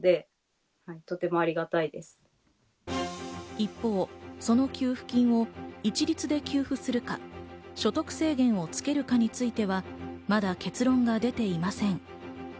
一方、その給付金を一律で給付するか、所得制限をつけるかについては、まだ結論は出ていません。